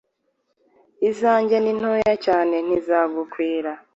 Izanjye nintoya cyane ntizagukwira